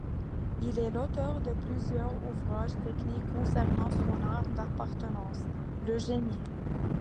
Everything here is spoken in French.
Il est l'auteur de plusieurs ouvrages techniques concernant son arme d'appartenance, le Génie.